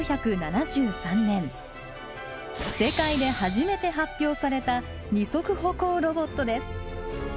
世界で初めて発表された二足歩行ロボットです。